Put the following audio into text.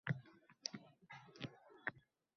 Haligi moturudiylarni adashganga chiqargan kishi